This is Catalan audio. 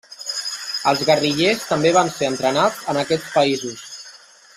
Els guerrillers també van ser entrenats en aquests països.